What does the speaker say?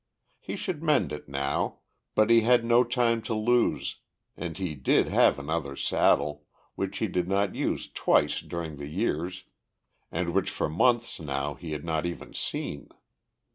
He should mend it now, but he had no time to lose, and he did have another saddle, which he did not use twice during the year and which for months now he had not even seen.